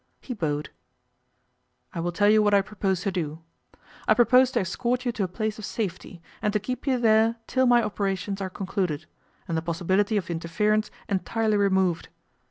He bowed. 'I will tell you what I propose to do. I propose to escort you to a place of safety, and to keep you there till my operations are concluded, and the possibility of interference entirely removed.